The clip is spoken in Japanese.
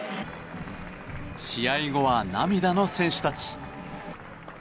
試合後は涙の選手たち。